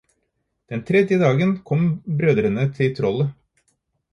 Den tredje dagen kom brødrene til trollet.